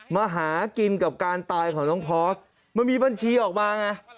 มาหากินกับการตายของน้องพอร์สมันมีบัญชีออกมาไง